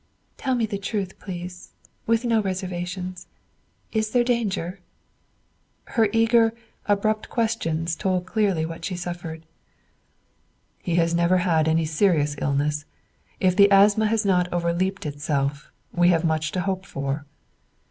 "Tell me the truth, please, with no reservations; is there danger?" Her eager, abrupt questions told clearly what she suffered. "He has never had any serious illness; if the asthma has not overleaped itself, we have much to hope for."